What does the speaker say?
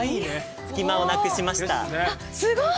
隙間をなくしました。ですね。ね